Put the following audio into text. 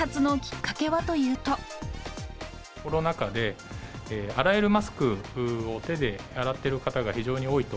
コロナ禍で、洗えるマスクを手で洗っている方が非常に多いと。